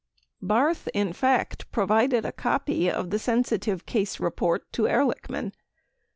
Barth, in fact, provided a copy of the sensitive case report to Ehrlichman.